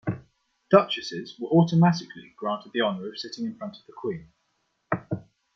Duchesses were automatically granted the honor of sitting in front of the queen.